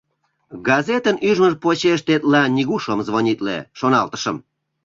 Газетын ӱжмыж почеш тетла нигуш ом звонитле, шоналтышым.